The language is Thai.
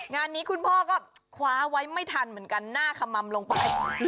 งานนี้คุณพ่อก็คว้าไว้ไม่ทันเหมือนกันหน้าขมัมลงไป